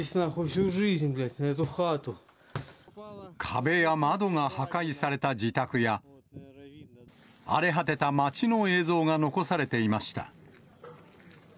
壁や窓が破壊された自宅や、荒れ果てた街の映像が残されていました。